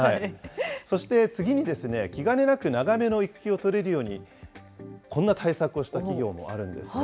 そして次にですね、気兼ねなく、長めの育休を取れるように、こんな対策をした企業もあるんですね。